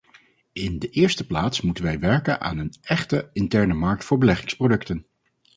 In de eerste plaats moeten wij werken aan een echte interne markt voor beleggingsproducten.